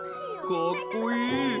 かっこいい！